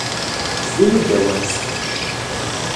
Ini-d awal!